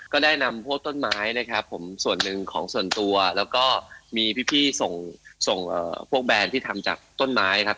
ก็ได้นำพวกต้นไม้นะครับผมส่วนหนึ่งของส่วนตัวแล้วก็มีพี่ส่งส่งพวกแบรนด์ที่ทำจากต้นไม้ครับ